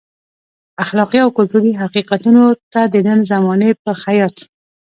اخلاقي او کلتوري حقیقتونو ته د نن زمانې په خیاط.